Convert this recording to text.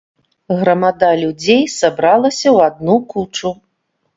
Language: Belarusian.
Грамада людзей сабралася ў адну кучу.